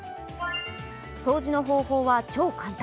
掃除の方法は超簡単。